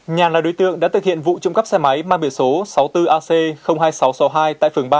nhàn là đối tượng đã thực hiện vụ trộm cắp xe máy mang biển số sáu mươi bốn ac hai nghìn sáu trăm sáu mươi hai tại phường ba